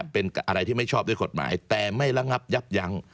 เป็นอะไรที่ไม่ชอบด้วยกฎหมายแต่ไม่ระงับยับยั้ง